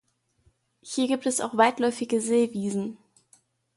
Hier gibt es auch weitläufige Seewiesen.